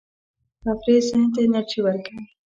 تفریح ذهن ته انرژي ورکوي.